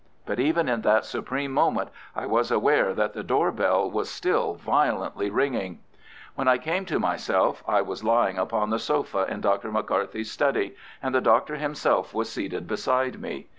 But even in that supreme moment I was aware that the door bell was still violently ringing. When I came to myself, I was lying upon the sofa in Dr. McCarthy's study, and the Doctor himself was seated beside me.